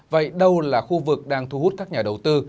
vậy đâu là khu vực đang thu hút các nhà đầu tư